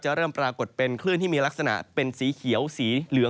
เริ่มปรากฏเป็นคลื่นที่มีลักษณะเป็นสีเขียวสีเหลือง